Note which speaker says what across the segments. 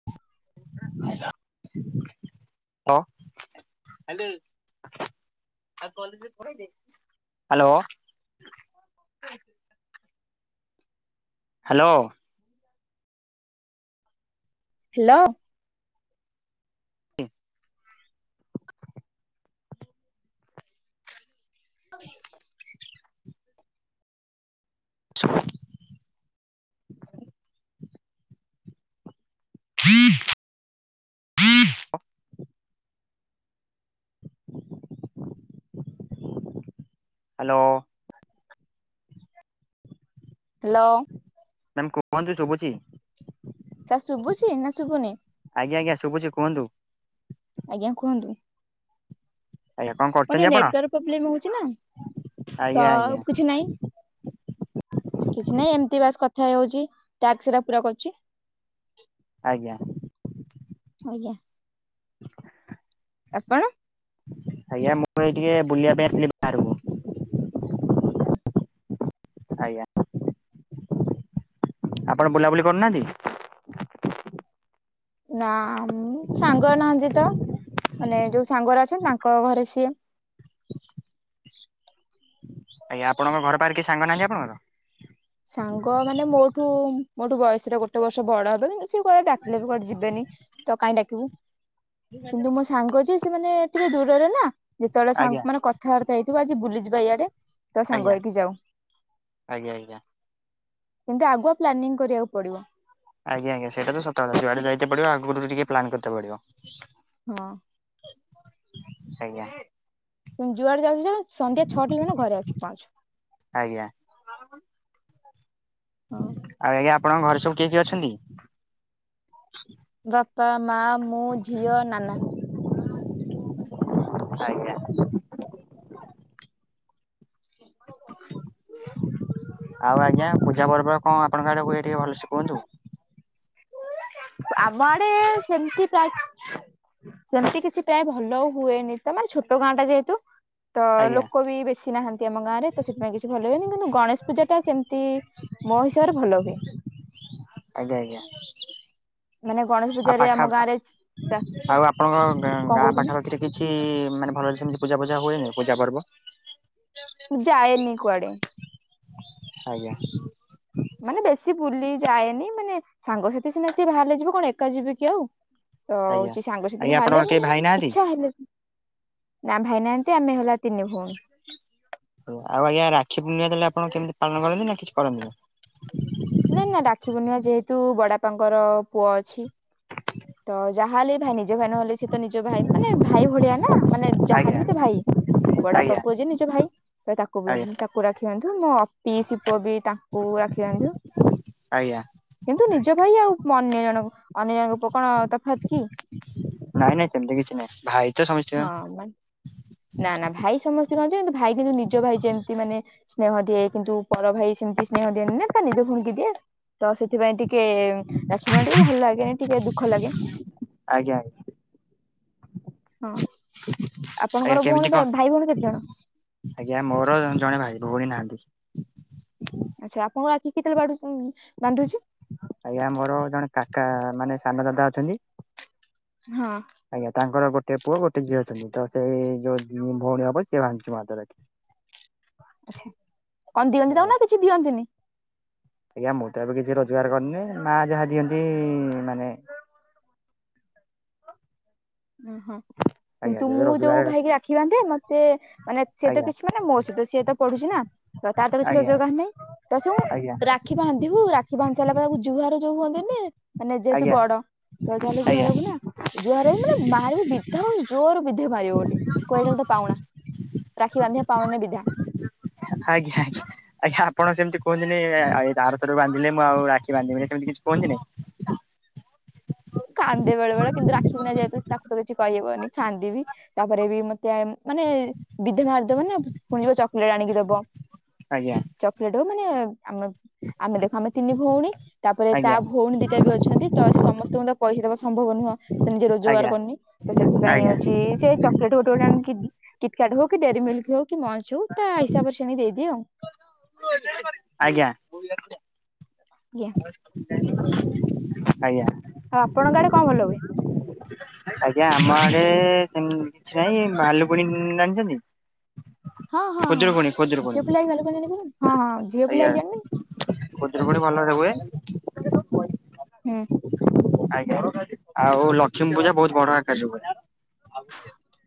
Speaker 1: Hello. Hello. Hello.
Speaker 2: Hello.
Speaker 1: ହ [inaudible] [inaudible] ହୁଁ [inaudible] hello.
Speaker 2: Hello.
Speaker 1: Ma'am କୁହନ୍ତୁ ଶୁଭୁଛି।
Speaker 2: ସାର୍ ଶୁଭୁଛି ନା ଶୁଭୁନି
Speaker 1: ଆଜ୍ଞା ଆଜ୍ଞା ଶୁଭୁଛି କୁହନ୍ତୁ
Speaker 2: ଆଜ୍ଞା କୁହନ୍ତୁ।
Speaker 1: ଆଜ୍ଞା କଣ
Speaker 2: ଏପଟେ
Speaker 1: କରୁଛନ୍ତି ଆପଣ
Speaker 2: ନେଟୱର୍କ ପ୍ରୋବ୍ଲେମ ହଉଛି ନା
Speaker 1: ଆଜ୍ଞା ଆଜ୍ଞା
Speaker 2: ତ-ଅ-ଅ-ଅ କିଛି ନାହିଁ। କିଛି ନାଇଁ ଏମିତି ବାସ କଥା ହଉଛି। ଟାସ୍କ ଗୁରା ପୁରା କରୁଛି।
Speaker 1: ଆଜ୍ଞା,
Speaker 2: ଆଜ୍ଞା,
Speaker 1: [inaudible]
Speaker 2: ଆପଣ?
Speaker 1: ଆଜ୍ଞା ମୁଁ ଏଇ ଟିକେ ବୁଲିବା ପାଇଁ ଆସିଥିଲି। ଆରେ ମୁଁ
Speaker 2: ହଁ,
Speaker 1: ଆଜ୍ଞା, ଆପଣ ବୁଲାବୁଲି କରୁନାହାନ୍ତି?
Speaker 2: ନାଁ ମୁଁ ସାଙ୍ଗ ନାହାନ୍ତି ତ ମାନେ ଯୋଉ ସାଙ୍ଗଗୁରା ଅଛନ୍ତି ତାଙ୍କ ଘରେ ସିଏ।
Speaker 1: ଆଜ୍ଞା ଆପଣଙ୍କ ଘରପାଖରେ କେହି ସାଙ୍ଗ ନାହାନ୍ତି ଆପଣଙ୍କର?
Speaker 2: ସାଙ୍ଗ ମାନେ ମୋଠୁ-ଉ-ଉ ମୋଠୁ ବୟସରେ ଗୋଟେ ବର୍ଷ ବଡ ହେବେ। ସେ କୁଆଡେ ଡାକିଲେ ବି କୁଆଡେ ଯିବେନି ତ କାହିଁ ଡାକିବୁ। କିନ୍ତୁ ମୋ ସାଙ୍ଗ ଯିଏ ସେ ମାନେ ଟିକେ ଦୂରରେ ନା ଯେତେବେଳେ
Speaker 1: ଆଜ୍ଞା
Speaker 2: ସାଙ୍ଗ ମାନେ କଥାବାର୍ତ୍ତା ହେଇଥିବୁ ଆଜି ବୁଲିଯିବା ଇଆଡେ। ତ
Speaker 1: ଆଜ୍ଞା
Speaker 2: ସାଙ୍ଗ ହେଇକି ଯାଉ।
Speaker 1: ଆଜ୍ଞା ଆଜ୍ଞା,
Speaker 2: କିନ୍ତୁ ଆଗୁଆ ପ୍ଲାନିଂ କରିବାକୁ ପଡିବ।
Speaker 1: ଆଜ୍ଞା ଆଜ୍ଞା ସେଇଟା ତ ସତ କଥା। ଯୁଆଡେ ଯାଇତେ ପଡିବ ଆଗରୁ ଟିକେ ପ୍ଲାନ କରିତେ ପଡିବ।
Speaker 2: ହଁ,
Speaker 1: ଆଜ୍ଞା,
Speaker 2: ତୁମେ ଯୁଆଡେ ଯାଉଛ ଯାଅ ସନ୍ଧ୍ୟା ଛଅଟା ହେଲା ମାନେ ଘରେ ଆସିକି ପହଞ୍ଚ।
Speaker 1: ଆଜ୍ଞା,
Speaker 2: ହ,
Speaker 1: ଆଉ ଆଜ୍ଞା ଆପଣଙ୍କ ଘରେ ସବୁ କିଏ କିଏ ଅଛନ୍ତି?
Speaker 2: ବାପା, ମା, ମୁଁ, ଝିଅ, ନାନା।
Speaker 1: ଆଜ୍ଞା, ଆଉ ଆଜ୍ଞା ପୂଜା ପର୍ବ କଣ ଆପଣଙ୍କ ଆଡେ ହୁଏ ଟିକେ ଭଲସେ କୁହନ୍ତୁ।
Speaker 2: ଆମ ଆଡେ-ଏ-ଏ-ଏ ସେମିତି ପ୍ରାୟ ସେମିତି କିଛି ପ୍ରାୟ ଭଲ ହୁଏନି ତ ମାନେ ଛୋଟ ଗାଁ ଟା ଯେହେତୁ। ତ
Speaker 1: ଆଜ୍ଞା
Speaker 2: ଲୋକ ବି ବେ ଶୀ ନାହାନ୍ତି ଆମ ଗାଁ ରେ ତ ସେଥିପାଇଁ କିଛି ଭଲ ହୁଏନି। କିନ୍ତୁ ଗଣେଶ ପୂଜା ଟା ସେମିତି ମୋ ହିସାବରେ ଭଲ ହୁଏ।
Speaker 1: ଆଜ୍ଞା ଆଜ୍ଞା।
Speaker 2: ମାନେ ଗଣେଶ
Speaker 1: ଆଉ
Speaker 2: ପୂଜାରେ ଆମ
Speaker 1: ପାଖା,
Speaker 2: ଗାଁରେ ଚାରିଟା
Speaker 1: ଆଉ ଆପଣଙ୍କ ଗାଁ
Speaker 2: କଣ
Speaker 1: ପାଖା
Speaker 2: କହୁଛନ୍ତି
Speaker 1: ପାଖି ଏଥିରେ କିଛି-ଇ-ଇ-ଇ-ଇ ମାନେ ଭଲ ସେମିତି ପୂଜା ବୁଜା ହୁଏନି ପୂଜା ପର୍ବ।
Speaker 2: ମୁଁ ଯାଏନି କୁଆଡେ।
Speaker 1: ଆଜ୍ଞା,
Speaker 2: ମାନେ ବେଶୀ ବୁଲି ଯାଏନି ମାନେ ସାଙ୍ଗସାଥି ସିନା କିଏ ବାହାରିଲେ ଯିବି କଣ ଏକା ଯିବି କି ଆଉ। ତ
Speaker 1: ଆଜ୍ଞା
Speaker 2: ହଉଛି ସାଙ୍ଗସାଥି
Speaker 1: ଆଜ୍ଞା
Speaker 2: ବାହାରିଲେ
Speaker 1: ଆପଣଙ୍କର କେହି
Speaker 2: ମାନେ
Speaker 1: ଭାଇ ନାହାନ୍ତି?
Speaker 2: ଇଚ୍ଛା ହେଲେ ନା ଭାଇ ନାହାନ୍ତି ଆମେ ହେଲା ତିନି ଭଉଣୀ।
Speaker 1: ଓ ଆଉ ଆଜ୍ଞା ରାକ୍ଷୀ ପୂର୍ଣ୍ଣିମା ତାହଲେ ଆପଣ କେମିତି ପାଳନ କରନ୍ତି ନା କିଛି କରନ୍ତିନି?
Speaker 2: ନା ନା ରାକ୍ଷୀପୂର୍ଣିମା ଯେହେତୁ ବଡା ବାପାଙ୍କର ପୁଅ ଅଛି। ତ ଯାହାହେଲେ ଭାଇ ନିଜ ଭାଇ ନହେଲେ ସିଏ ତ ନିଜ ଭାଇ ମାନେ ଭାଇ ଭଳିଆ ନା ମାନେ ଯାହା
Speaker 1: ଆଜ୍ଞା
Speaker 2: ହେଲେ ବି ତ ଭାଇ। ବଡାଆପା
Speaker 1: ଆଜ୍ଞା
Speaker 2: ପୁଅ ଯିଏ ନିଜ ଭାଇ। ତ ତାକୁ ବି
Speaker 1: ଆଜ୍ଞା
Speaker 2: ତା କୁ ରାକ୍ଷୀ ବାନ୍ଧୁ। ମୋ ପିଇସି ପୁଅ ବି ତାଙ୍କୁ ରାକ୍ଷୀ ବାନ୍ଧୁ।
Speaker 1: ଆଜ୍ଞା
Speaker 2: କିନ୍ତୁ ନିଜ ଭାଇ ଆଉ ଅନ୍ୟ ଜଣ ଅନ୍ୟ ଜଣଙ୍କ ପୁଅ କଣ ତଫାତ୍ କି?
Speaker 1: ନାଇଁ ନାଇଁ ସେମତି କିଛି ନାଇଁ ଭାଇ। ତ ସମସ୍ତିଙ୍କ
Speaker 2: ହଁ ମା ନା ନା ଭାଇ ସମସ୍ତଙ୍କ ଯେ କିନ୍ତୁ ନିଜ ଭାଇ କିନ୍ତୁ ନିଜ ଭାଇ ଯେମିତି ମାନେ ସ୍ନେହ ଦିଏ କିନ୍ତୁ ପର ଭାଇ ସେମିତି ସ୍ନେହ ଦିଏନି ନା ତା ନିଜ ଭଉଣୀକୁ ଦିଏ। ତ ସେଥିପାଇଁ ଟିକେ ରାକ୍ଷୀ ପାଇଁ ଟିକେ ଭଲ ଲାଗେନି ଟିକେ ଦୁଃଖ ଲାଗେ।
Speaker 1: ଆଜ୍ଞା ଆଜ୍ଞା।
Speaker 2: ହଁ
Speaker 1: ଆଜ୍ଞା
Speaker 2: ଆପଣଙ୍କର
Speaker 1: କେମିତି
Speaker 2: ଭଉଣୀ
Speaker 1: କଣ
Speaker 2: ଭାଇ ଭଉଣୀ କେତେଜଣ?
Speaker 1: ଆଜ୍ଞା ମୋର ଜଣେ ଭାଇ ଭଉଣୀ ନାହାନ୍ତି।
Speaker 2: ଆଚ୍ଛା ଆପଣଙ୍କ ରାକ୍ଷୀ କେତେବେଳ ବାଢୁ ବାନ୍ଧୁଛି?
Speaker 1: ଆଜ୍ଞା ମୋର ଜଣେ କାକା ମାନେ ସାନ ଦାଦା ଅଛନ୍ତି।
Speaker 2: ହଁ।
Speaker 1: ଆଜ୍ଞା ତାଙ୍କର ଗୋଟେ ପୁଅ ଗୋଟେ ଝିଅ ଅଛନ୍ତି ତ ସେଇ ଯୋଉ ଭଉଣୀ ହବ ସିଏ ବାନ୍ଧୁଛି ମୋ ହାତରେ ରାକ୍ଷୀ।
Speaker 2: ଆଛା କଣ ଦିଅନ୍ତି
Speaker 1: ଆଜ୍ଞା।
Speaker 2: ତାକୁ ନା କିଛି ଦିଅନ୍ତିନି?
Speaker 1: ଆଜ୍ଞା ମୁଁ ତ ଏବେ କିଛି ରୋଜଗାର କରିନି ମା ଯାହା ଦିଅନ୍ତି ମାନେ
Speaker 2: ଓହୋ
Speaker 1: ଆଜ୍ଞା
Speaker 2: କିନ୍ତୁ
Speaker 1: ଯେବେ
Speaker 2: ମୁଁ ଯୋଉ
Speaker 1: ରୋଜଗାର
Speaker 2: ଭାଇକି ରାଖି ବାନ୍ଧେ ମତେ ମାନେ ସିଏ ତ
Speaker 1: ଆଜ୍ଞା
Speaker 2: କିଛି ମାନେ ମୋ ସହିତ ସିଏ ତ ପଢୁଛି ନା ତ ତା ତ କିଛି
Speaker 1: ଆଜ୍ଞା
Speaker 2: ରୋଜଗାର ନାହିଁ। ତ ସେ
Speaker 1: ଆଜ୍ଞା
Speaker 2: ରାକ୍ଷୀ ବାନ୍ଧିବୁ ରାକ୍ଷୀ ବାନ୍ଧି ସାରିଲା ପରେ ତାକୁ ଜୁହାର ଯୋଉ ହୁଅନ୍ତିନି? ମାନେ ଯେହେତୁ
Speaker 1: ଆଜ୍ଞା
Speaker 2: ବଡ ତ ଜାହଲେ ଜୁହାର
Speaker 1: ଆଜ୍ଞା
Speaker 2: ହବୁ ନା ଜୁହାର ହେବି ମନେ ମାରିବୁ ବିଧା ହଉ ଜୋର ବିଧା ମାରିବ ଗୋଟେ କଏ ଏଟା ହେଲା ତୋ ପାଉଣା। ରାକ୍ଷୀ ବାନ୍ଧିବା ପାଉଣା ନେ ବିଧା।
Speaker 1: ଆଜ୍ଞା ଆଜ୍ଞା। ଆଜ୍ଞା ଆପଣ ସେମିତି କୁହନ୍ତିନି ଏଇ ଆରଥରକୁ ବାନ୍ଧିଲେ ମୁଁ ଆଉ ରାକ୍ଷୀ ବାନ୍ଧିବିନି ସେମିତି କିଛି କୁହନ୍ତିନି?
Speaker 2: କାନ୍ଦେ ବେଳେ ବଳେ କିନ୍ତୁ ରାକ୍ଷୀପୂର୍ଣିମା ଯେହେତୁ ତାକୁ ତ କିଛି କହିହେବନି କାନ୍ଦିବି। ତାପରେ ବି ମତେ ମାନେ ବିଧା ମାରିଦବ ନା ପୁଣି ଯିବ ଚକଲେଟ ଆଣିକି ଦବ।
Speaker 1: ଆଜ୍ଞା।
Speaker 2: ଚକଲେଟ ହଉ ମାନେ ଆମ ଆମେ ଦେଖ ଆମେ ତିନି ଭଉଣୀ। ତାପରେ ତା
Speaker 1: ଆଜ୍ଞା
Speaker 2: ଭଉଣୀ ଦିଟା ବି ଅଛନ୍ତି ତ ସେ ସମସ୍ତଙ୍କୁ ତ ପଇସା ଦବା ସମ୍ଭବ ନୁହଁ। ସେ ନିଜେ ରୋଜଗାର
Speaker 1: ଆଜ୍ଞା
Speaker 2: କରିନି ତ ସେଥିପାଇଁ
Speaker 1: ଆଜ୍ଞା
Speaker 2: ହଉଛି ସେ ଏଇ ଚ ସେଠୁ ଗୋଟେ ଗୋଟେ ଆଣିକି କିଟ କାଟ ହଉ କି ଡେରି ମିଲ୍କ ହଉ କି ମଞ୍ଚ୍ ହଉ ତା ହିସାବରେ ସେ ଆଣିକି ଦେଇଦିଏ ଆଉ।
Speaker 1: ଆଜ୍ଞା।
Speaker 2: ଆଜ୍ଞା
Speaker 1: ଆଜ୍ଞା।
Speaker 2: ଆଉ ଆପଣଙ୍କ ଆଡେ କଣ ଭଲ ହୁଏ?
Speaker 1: ଆଜ୍ଞା, ଆମ ଆଡ଼େ କିଛି ନାହିଁ ଭାଲୁକୁଣୀ ଜାଣିଛନ୍ତି? ଖୁଦୁରୁକୁଣୀ, ଖୁଦୁରୁକୁଣୀ।
Speaker 2: କଣ [unintelligible]
Speaker 1: ଆଜ୍ଞା, ଖୁଦୁରୁକୁଣୀ ଭଲରେ ହୁଏ।
Speaker 2: ହୁଁ।
Speaker 1: ଆଜ୍ଞା, ଆଉ ଲକ୍ଷ୍ମୀ ପୂଜା ବହୁତ ବଡ଼ ଆକାରରେ ହୁଏ।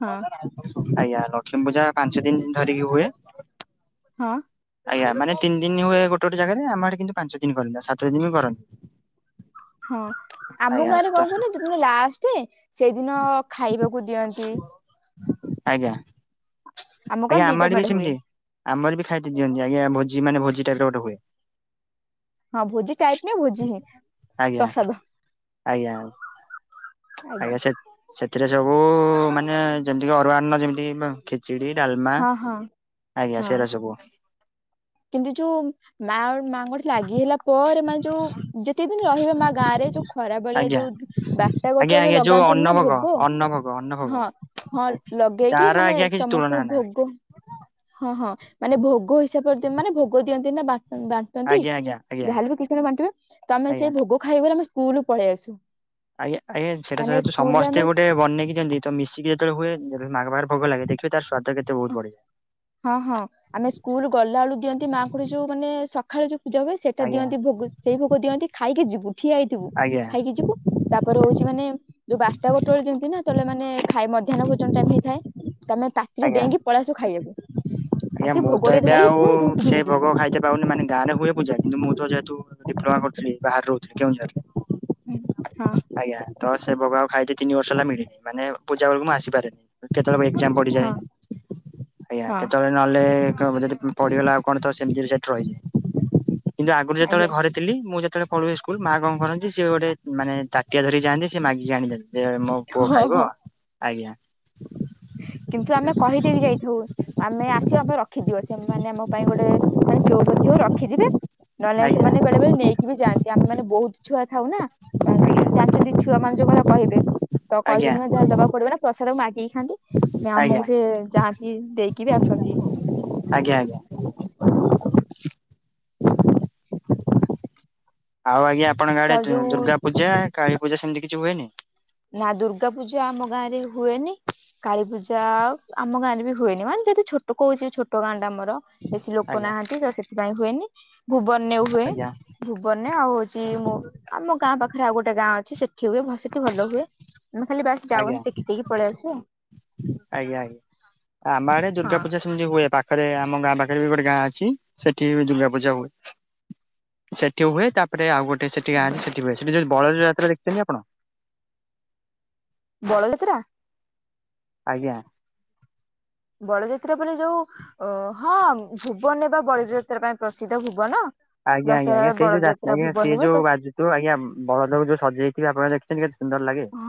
Speaker 2: ହଁ
Speaker 1: ଆଜ୍ଞା, ଲକ୍ଷ୍ମୀ ପୂଜା ପାଞ୍ଚ ଦିନ ଧରିକି ହୁଏ।
Speaker 2: ହଁ।
Speaker 1: ଆଜ୍ଞା, ମାନେ ତିନି ଦିନ ହୁଏ ଗୋଟ ଗୋଟେ ଜାଗାରେ ଆମ ଆଡ଼େ କିନ୍ତୁ ପାଞ୍ଚ ଦିନ କରନ୍ତି, ସାତ ଦିନ ବି କରନ୍ତି।
Speaker 2: ହଁ ଆମ
Speaker 1: ଆଜ୍ଞା
Speaker 2: ଗାଁରେ
Speaker 1: ତ
Speaker 2: କଣ କହିଲ ଯୋଦିନ ଲାଷ୍ଟ ସେଇଦିନ ଖାଇବାକୁ ଦିଅନ୍ତି।
Speaker 1: ଆଜ୍ଞା, ଆଜ୍ଞା,
Speaker 2: ଗାଁରେ
Speaker 1: ଆମ
Speaker 2: ଦିଟା
Speaker 1: ଆଡ଼େ ବି
Speaker 2: ମେଢ ହୁଏ
Speaker 1: ସେମିତି। ଆମର ବି ଖାଇତେ ଦିଅନ୍ତି ଆଜ୍ଞ ଭୋଜି ମାନ ଭୋଜି ଟାଇପ ର ଗୋଟେ ହୁଏ।
Speaker 2: ହଁ ଭୋଜି ଟାଇପ ନାଇଁ ଭୋଜି ହିଁ
Speaker 1: ଆଜ୍ଞା
Speaker 2: ପ୍ରସାଦ।
Speaker 1: ଆଜ୍ଞା। ଆଜ୍ଞା, ସେ ସେଥିରେ ସବୁ ମାନେ ଯେମିତିକି ଅରୁଆ ଅନ୍ନ ଯେମିତି ଖିଚିଡି, ଡାଲମା,
Speaker 2: ହଁ ହଁ
Speaker 1: ଆଜ୍ଞା
Speaker 2: ହଁ
Speaker 1: ସେଇରା ସବୁ।
Speaker 2: କିନ୍ତୁ ଯୋଉ ମାଁ ମାଆଙ୍କର ଲାଗି ହେଲା ପରେ ମାନେ ଯୋଉ ଯେତେ ଦିନ ରହିବେ ମାଁ ଗାଁ ରେ ଯୋଉ ଖରା ବେଳେ
Speaker 1: ଆଜ୍ଞା
Speaker 2: ଯୋଉ ଏଟା
Speaker 1: ଆଜ୍ଞା
Speaker 2: ଗୋଟେ ଯୋଉ
Speaker 1: ଆଜ୍ଞା
Speaker 2: ଲଗାନ୍ତିନି ନା
Speaker 1: ଅନ୍ନଭୋଗ
Speaker 2: ଭୋଗ
Speaker 1: ଅନ୍ନଭୋଗ ଅନ୍ନଭୋଗ
Speaker 2: ହଁ, ହଁ ଲଗେଇକି
Speaker 1: ତାର
Speaker 2: ମାନେ
Speaker 1: ଆଜ୍ଞା କିଛି ତୁଳନା
Speaker 2: ସମସ୍ତଙ୍କୁ
Speaker 1: ନାହିଁ
Speaker 2: ଭୋଗ ହଁ, ହଁ ମାନେ ଭୋଗ ହିସାବରେ ମାନେ ଭୋଗ ଦିଅନ୍ତି ନା ବାର
Speaker 1: ଆଜ୍ଞା ଆଜ୍ଞା ଆଜ୍ଞା
Speaker 2: ଯାହାେଲେ ବି କିଛି ଦିନ ବାଣ୍ଟିବେ ତ ଆମେ
Speaker 1: ଆଜ୍ଞା।
Speaker 2: ସେ ଭୋଗ ଖାଇବ ଆମେ ସ୍କୁଲୁରୁ ପଳେଇ ଆସୁ।
Speaker 1: ଆଜ୍ଞା, ଆଜ୍ଞା ସେଟା
Speaker 2: ମାନେ
Speaker 1: ଯେହେତୁ
Speaker 2: ସ୍କୁଲରେ
Speaker 1: ସମସ୍ତେ
Speaker 2: ଆମେ
Speaker 1: ଗୋଟେ ବନେଇକି ଦିଅନ୍ତି ତ ମିଶେଇକି ଯେତେବେଳେ ହୁଏ ମାଁ ଙ୍କ ପାଖରେ ଭୋଗ ଲାଗେ ଦେଖିବେ ତାର ସ୍ୱାଦ କେତେ ବହୁତ ବଢ଼ିଆ।
Speaker 2: ହଁ ହଁ ଆମେ ସ୍କୁଲ ଗଲା ବେଳୁ ଦିଅନ୍ତି ମାଁଙ୍କଠେ ଯୋଉ ମାନେ ସକାଳେ ଯୋଉ ପୂଜା ହୁଏ। ସେଇଟା
Speaker 1: ଆଜ୍ଞା
Speaker 2: ଦିଅନ୍ତି ଭୋଗ ସେଇ ଭୋଗ ଦିଅନ୍ତି ଖାଇକି ଯିବୁ ଠିଆ ହେଇଥିବୁ
Speaker 1: ଆଜ୍ଞା
Speaker 2: ଖାଇକି ଯିବୁ। ତାପରେ ହଉଛି ମାନେ ଯୋଉ ବାରଟା ଗୋଟେ ବେଳେ ଦିଅନ୍ତି ନା ଯେତେବେଳେ ମାନେ ଖାଇ ମଧ୍ୟାହ୍ନ ଭୋଜନ ଟାଇମ ହେଇଥାଏ। ତ ଆମେ ପାଚେରି
Speaker 1: ଆଜ୍ଞା
Speaker 2: ଡେଇଁକି ପଳେଇ ଆସୁ ଖାଇବାକୁ।
Speaker 1: ଆଜ୍ଞା,
Speaker 2: ଆସିକି
Speaker 1: ମୁଁ
Speaker 2: ଭୋଗ
Speaker 1: ତ
Speaker 2: ଟିକେ
Speaker 1: ଏବେ
Speaker 2: ଧରିକି
Speaker 1: ଆଉ
Speaker 2: ପୁଣି ଧଉଡି ଧଉଡି
Speaker 1: ସେ
Speaker 2: ଯିବୁ।
Speaker 1: ଭୋଗ ଖାଇତେ ପାଉନି ମାନେ ଗାଁ ରେ ହୁଏ। ମୁଁ ଯାଏ କିନ୍ତୁ ମୁଁ ତ ଯେହେତୁ ଡିପ୍ଲୋମା କରୁଥିଲି ବାହରେ ରହୁଥିଲି କେଉଁଝରରେ।
Speaker 2: ହଁ।
Speaker 1: ଆଜ୍ଞା ତ ସେ ଭୋଗ ଆଉ ଖାଇତେ ତିନି ବର୍ଷ ହେଲା ମିଳିନି ମାନେ ପୂଜା ବେଳକୁ ମୁଁ ଆସିପାରେନି। କେତେବେଳେ ଏକ୍ସଜାମ୍
Speaker 2: ହଁ
Speaker 1: ପଡ଼ିଯାଏ ଆଜ୍ଞା
Speaker 2: ହଁ
Speaker 1: କେତେବେଳେ ନହେଲେ ଯଦି ପଡ଼ିଗଲା ଆଉ କଣ ତ ସେମିତି ସେଠି ରହିଯାଏ କିନ୍ତୁ ଆଗରୁ ଯେତେବେଳେ
Speaker 2: ଆଜ୍ଞା।
Speaker 1: ଘରେ ଥିଲି ମୁଁ ଯେତେବେଳେ ପଢୁ ସ୍କୁଲ ମାଆ କଣ କରନ୍ତି ସିଏ ଗୋଟେ ମାନେ ତାଟିଆ ଧରିକି ଯଆନ୍ତି ସେ ମାଗିକି ଆଣିଦିଅନ୍ତି ଯେ ମୋ ପୁଅ
Speaker 2: ହଁ ହଁ।
Speaker 1: ଖାଇବ ଆଜ୍ଞା।
Speaker 2: କିନ୍ତୁ ଆମେ କହିଦେଇକି ଯାଇଥାଉ। ଆମେ ଆସିବାକୁ ରଖିଥିବେ ସେମାନେେ ଆମ ପାଇଁ ଗୋଟେ ମାନେ ଚଉପତି ହଉ ରଖିଥିବେ। ନହେଲେ
Speaker 1: ଆଜ୍ଞା
Speaker 2: ସେମାନେ ବେଳେ ବେଳେ ନେଇକି ବି ଯାଆନ୍ତି ଆମେ ମାନେ ବହୁତ ଛୁଆ ଥାଉ ନା ଜାଣିଛନ୍ତି ଛୁଆ ମାନ ଯୋଉ ଭଳିଆ କହିବେ ତ
Speaker 1: ଆଜ୍ଞା
Speaker 2: ପାଇଛନ୍ତି ଯାହା ଦେବାକୁ ପଡ଼ିବ ନା ପ୍ରସାଦକୁ ମାଗିକି ଖାଆନ୍ତି। ଆମକୁ
Speaker 1: ଆଜ୍ଞା
Speaker 2: ସେ ଯାଆନ୍ତି ଦେଇକି ବି ଆସନ୍ତି।
Speaker 1: ଆଜ୍ଞା ଆଉ ଆଜ୍ଞା, ଆପଣଙ୍କ ଆଡ଼େ
Speaker 2: ତ ଯୋଉ
Speaker 1: ଦୁର୍ଗା ପୂଜା, କାଳୀ ପୂଜା ସେମିତି କିଛି ହୁଏନି?
Speaker 2: ନା ଦୁର୍ଗା ପୂଜା ଆମ ଗାଁ ରେ ହୁଏନି। କାଳୀପୂଜା ଆମ ଗାଁରେ ବି ହୁଏନି ମାନେ ଯଦି ଛୋଟ କହୁଛି ଛୋଟ ଗାଁଟା ଆମର। ବେଶୀ ଲୋକ
Speaker 1: ଆଜ୍ଞା
Speaker 2: ନାହାନ୍ତି ତ ସେଥିପାଇଁ ହୁଏନି ଭୁବନରେ ହୁଏ।
Speaker 1: ଆଜ୍ଞା
Speaker 2: ଭୁବନରେ ଆଉ ହଉଛି ମୁଁ ଆମ ଗାଁ ପାଖରେ ଆଉ ଗୋଟେ ଗାଁ ଅଛି ସେଠି ହୁଏ ସେଠି ଭଲ ହ ଆମେ ଖାଲି ବାସ ଯାଉ
Speaker 1: ଆଜ୍ଞା
Speaker 2: ଦେଖି ଦେଇକି ପଳେଇ ଆସୁ ଆଉ।
Speaker 1: ଆଜ୍ଞା, ଆଜ୍ଞା, ଆମ ଆଡ଼େ ଦୁର୍ଗା ପୂଜା ସେମତି ହୁଏ ପାଖରେ ଆମ ଗାଁ ପାଖରେ ବି ଗୋଟେ ଗାଁ ଅଛି ସେଠି ବି ଦୁର୍ଗା ପୂଜା ହୁଏ। ସେଠି ହୁଏ ତାପରେ ଆଉ ଗୋଟେ ସେଠି ଗାଁ
Speaker 2: ଆଜ୍ଞା
Speaker 1: ସେଠି ହୁଏ ସେଠି ଯୋଉ ବଳଦ ଯାତ୍ରା ଦେଖିଛନ୍ତି ଆପଣ
Speaker 2: ବଳଦ ଯାତ୍ରା
Speaker 1: ଆଜ୍ଞା
Speaker 2: ବଳଯାତ୍ରା ବୋଲି ଯୋଉ ଅ ହଁ ଭୁବନ ବା ବଳିଯାତ୍ରା ପାଇଁ ପ୍ରସିଦ୍ଧ ଭୁବନ
Speaker 1: ଆଜ୍ଞା ଆଜ୍ଞା ଆଜ୍ଞା
Speaker 2: ଦଶହରା
Speaker 1: ସେଇ ଯଉ
Speaker 2: ବଳଯାତ୍ରା
Speaker 1: [unintelligible]
Speaker 2: ଭୁବନ
Speaker 1: ସେ
Speaker 2: ହୁଏ
Speaker 1: ଯୋଉ ତ ଆଜ୍ଞା ବଳଦ ଯୋଉ ସଜେଇଥିବେ ଆପଣ ଦେଖିଛନ୍ତି କେତେ ସୁନ୍ଦର ଲାଗେ
Speaker 2: ହଁ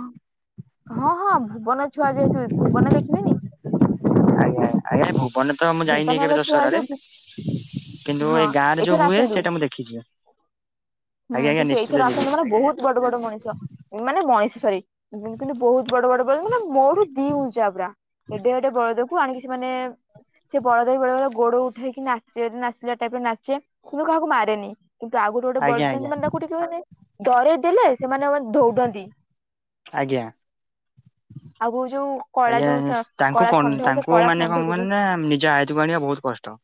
Speaker 2: ହଁ ହଁ ଭୁବନ ଛୁଆ ଯେହେତୁ ଭୁବନ ଦେଖିବେନି
Speaker 1: ଆଜ୍ଞା ଆଜ୍ଞା ଭୁବନେ ତ ମୁଁ ଯାଇନି
Speaker 2: ଢେଙ୍କାନାଳ
Speaker 1: କେବେ
Speaker 2: ଛୁଆ
Speaker 1: ଦଶହରାରେ
Speaker 2: ହେଇକି
Speaker 1: କିନ୍ତୁ
Speaker 2: ହଁ
Speaker 1: ଏଇ ଗାଁରେ
Speaker 2: ଏଇଥର
Speaker 1: ଯୋଉ ହୁଏ
Speaker 2: ଆସନ୍ତୁ
Speaker 1: ସେଇଟା ମୁଁ ଦେଖିଛି
Speaker 2: ହୁଁ
Speaker 1: ଆଜ୍ଞା ଆଜ୍ଞା
Speaker 2: କିନ୍ତୁ
Speaker 1: ନିଶ୍ଚିତ
Speaker 2: ଏଇଥର
Speaker 1: ଯିବି
Speaker 2: ଆସନ୍ତୁ ମାନେ ବହୁତ ବଡ ବଡ ମଣିଷ ମାନେ ମଶେଶ୍ଵରୀ କିନ୍ତୁ ବହୁତ ବଡ ବଡ ବ ମାନେ ମୋର ଏତିକି ଉଚ୍ଚା ଏଡେ ଏଡେ ବଳଦକୁ ଆଣିକି ମାନେ ସେ ବଳଦବି ବେଳେ ବଳେ ଗୋଡ ଉଠେଇକି ନାଚେ ନାଚିଲା ଟାଇପରେ ନାଚେ କିନ୍ତୁ କାହାକୁ ମାରେନି କିନ୍ତୁ ଆଉ ଗୋଟେ ଗୋଟେ
Speaker 1: ଆଜ୍ଞା
Speaker 2: ବଳଦ
Speaker 1: ଆଜ୍ଞା
Speaker 2: ଥାନ୍ତି ମାନେ ତାକୁ ଟିକେ ମାନେ ଡରେଇ ଦେଲେ ସେମାନେ ମାନେ ଧଉଡନ୍ତି
Speaker 1: ଆଜ୍ଞା
Speaker 2: [inaudible] ଯୋଉ କଳା
Speaker 1: ଆଜ୍ଞା
Speaker 2: ଯୋଉ
Speaker 1: ତାଙ୍କୁ
Speaker 2: କଳା
Speaker 1: କଣ
Speaker 2: ଷଣ୍ଢ ସେ
Speaker 1: ତାଙ୍କୁ
Speaker 2: କଳା
Speaker 1: ମାନେ କଣ
Speaker 2: ଷଣ୍ଢକୁ ବି
Speaker 1: କ ନା ନିଜ ଆୟତକୁ ଆଣିବା ବହୁତ କଷ୍ଟ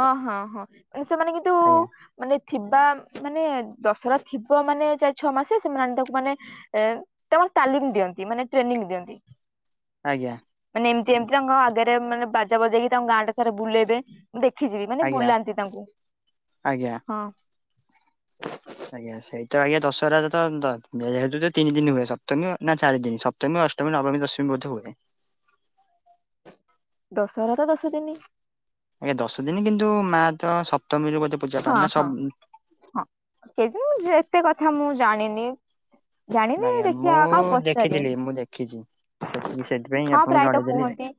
Speaker 2: ହଁ ହଁ ହଁ ସେମାନେ କିନ୍ତୁ
Speaker 1: ଆଜ୍ଞା
Speaker 2: ମାନେ ଥିବା ମାନେ ଦଶହରା ଥିବ ମାନେ ଚାରି ଛଅ ମାସେ ସେମାନେ ଆଣିତାକୁ ମାନେ ଏ ତାଙ୍କୁ ତାଲିମ ଦିଅନ୍ତି ମାନେ ଟ୍ରେନିଂ ଦିଅନ୍ତି
Speaker 1: ଆଜ୍ଞା।
Speaker 2: ମାନେ ଏମ୍ତି ଏମ୍ତି ତାଙ୍କ ଆଗରେ ମାନେ ବାଜା ବଜେଇକି----ଗାଁ ଟା ସାରା ବୁଲେଇ ଦେଖିଚି, ମାନେ
Speaker 1: ଆଜ୍ଞା
Speaker 2: ବୁଲାନ୍ତି ତାଙ୍କୁ
Speaker 1: ଆଜ୍ଞା।
Speaker 2: ହଁ।
Speaker 1: ଆଜ୍ଞା ସେଇ ଆଜ୍ଞା ଦଶହରା ତ ତିନ୍‌ ଦିନ୍‌ ହୁଏ, ନା ଚାରି ଦିନ୍‌ ସ ଅଷ୍ଟମି, ନବମୀ, ଦଶମୀ ବଧେ ହୁଏ।
Speaker 2: ଦଶହରା ଦଶ ଦିନି
Speaker 1: ଆଜ୍ଞା ଦଶ ଦିନ, କିନ୍ତୁ ମା ତ ସପ୍ତମୀରୁ ବଧେ
Speaker 2: ହଁ ହଁ ହଁ, ଏତେ କଥା ମୁଁ ଜାଣିନି। ଜାଣିନି,
Speaker 1: ଆଜ୍ଞା ମୁଁ
Speaker 2: ଦେଖିଆ କାହା ପଚାରେ।
Speaker 1: ଦେଖିଥିଲି ମୁଁ ଦେଖିଛି। ସେତିକି ସେଥିପାଇଁ
Speaker 2: ହଁ,
Speaker 1: ଆପଣଙ୍କୁ
Speaker 2: ପ୍ରାୟତ
Speaker 1: ଜଣେଇଦେଲି
Speaker 2: କୁହନ୍ତି,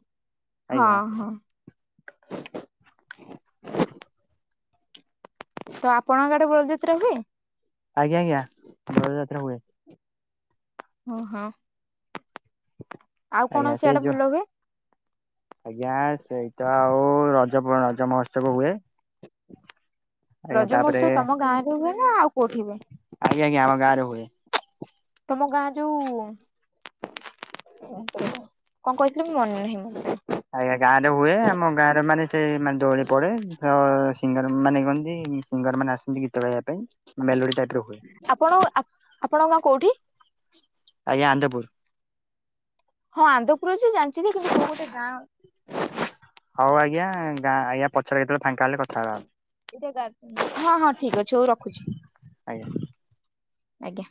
Speaker 2: ହଁ,
Speaker 1: ଆଜ୍ଞା
Speaker 2: ହଁ। ତ ଆପଣଙ୍କ ଆଡ଼େ ବଳ ଯାତ୍ରା ହୁଏ।
Speaker 1: ଆଜ୍ଞା ଆଜ୍ଞା ଯାତ୍ରା ହୁଏ।
Speaker 2: [inaudible] ଆଉ କ'ଣ
Speaker 1: ଆଜ୍ଞା ସେ
Speaker 2: ସିଆଡ଼େ
Speaker 1: ଯୋଉ
Speaker 2: ଭଲ ହୁଏ?
Speaker 1: ଆଜ୍ଞା ସେଇତ ଆଉ ରଜ ରଜ ମହୋତ୍ସବ ହୁଏ। ଆଜ୍ଞା
Speaker 2: ରଜ
Speaker 1: ତାପରେ
Speaker 2: ମହୋତ୍ସବ ତମ ଗାଁ ରେ ହୁଏ, ନା ଆଉ କଉଠି ହୁଏ?
Speaker 1: ଆଜ୍ଞ ଆଜ୍ଞା, ଆମ ଗାଁ ରେ ହୁଏ।
Speaker 2: ତମ ଗାଁ ଯଉ [inaudible]
Speaker 1: ଆଜ୍ଞା ଗାଁ ରେ ହୁଏ, ଆମ ଗାଁରେ ମାନେ ସେ ମାନେ ଦୋଳି ପଡ଼େ। ସିଙ୍ଗର ମାନେ ସିଙ୍ଗର ମାନ ଆସନ୍ତି ଗୀତ ଗାଇବା ପାଇଁ, ମେଲୋଡ଼ି ଟାଇପ୍ ର ହୁଏ।
Speaker 2: ଆପଣ ଆପଣଙ୍କ ଗାଁ କଉଠି?
Speaker 1: ଆଜ୍ଞା, ଆନ୍‌ଦ ପୁର୍।
Speaker 2: ହଁ! ଆନ୍ଦ ପୁର ଯେ ଜାଣ୍ଚି ଯେ କିନ୍ତୁ କଉ ଗୋଟେ ଗାଁ।
Speaker 1: ହଉ ଆଜ୍ଞା ଆଜ୍ଞା ପଛରେ କେତବଳେ ଫାଙ୍କା ହେଲେ କଥା ବା।
Speaker 2: ଠିକ୍ ଅଛି ହଉ ରଖୁଚି
Speaker 1: ଆଜ୍ଞା।
Speaker 2: ଆଜ୍ଞା।